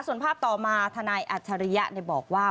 ส่วนภาพต่อมาทนายอัจฉริยะบอกว่า